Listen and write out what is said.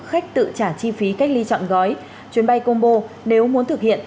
khách tự trả chi phí cách ly chọn gói chuyến bay combo nếu muốn thực hiện